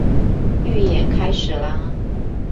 預演開始啦